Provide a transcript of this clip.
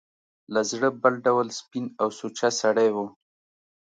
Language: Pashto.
له زړه بل ډول سپین او سوچه سړی و.